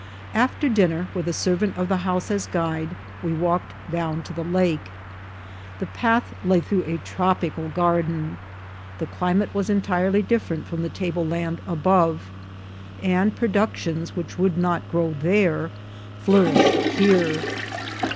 After dinner, with a ser vant of the house as guide, we 'walked down to the lake. The path lay through a tropical garden. The climate was entirely diiferent from the table land above, and productions which would not grow there flourished here.